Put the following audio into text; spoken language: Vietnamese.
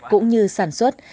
cũng như sản xuất